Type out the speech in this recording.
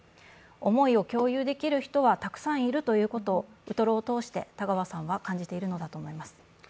思いを共有できる人はたくさんいるということをウトロを通して田川さんは感じているのだと思います。